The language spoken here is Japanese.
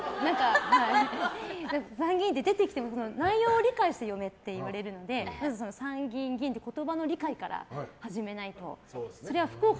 参議院って出てきても内容を理解して読めって言われるのでまず参議院議員っていう言葉の理解から始めないと。